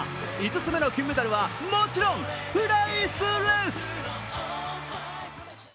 ５つ目の金メダルはもちろんプライスレス！